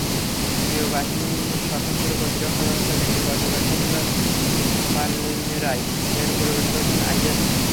সিরীয় বাহিনীর সশস্ত্র প্রতিরক্ষাব্যবস্থা ভেঙে গতকাল শনিবার পালমিরায় ফের প্রবেশ করেছিল আইএস।